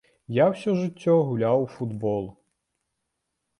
Я ўсё жыццё гуляў у футбол.